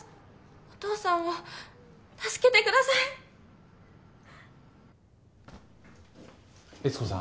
お父さんを助けてください悦子さん